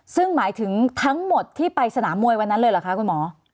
ซึ่งหมายถึงทั้งหมดที่ไปสนามมวยวันนั้นเลยเหรอคะคุณหมอ